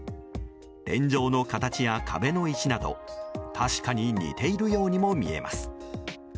天井の形や壁の石など確かに似ているようにも見えます。